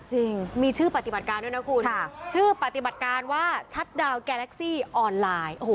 จริงมีชื่อปฏิบัติการด้วยนะคุณชื่อปฏิบัติการว่าชัดดาวแกเล็กซี่ออนไลน์